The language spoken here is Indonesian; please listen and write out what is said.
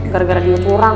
gara gara dia curang